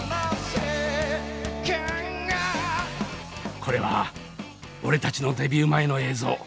これは俺たちのデビュー前の映像。